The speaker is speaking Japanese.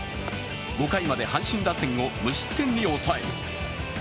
５回まで阪神打線を無失点に抑える。